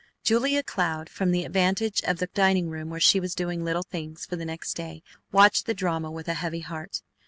Julia Cloud, from the advantage of the dining room where she was doing little things, for the next day, watched the drama with a heavy heart.